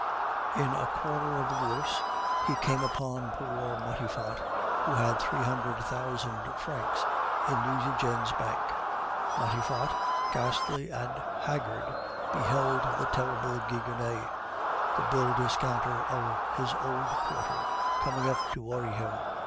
"In a corner of the Bourse he came upon poor Matifat, who had three hundred thousand francs in Nucingen's bank. Matifat, ghastly and haggard, beheld the terrible Gigonnet, the bill discounter of his old quarter, coming up to worry him.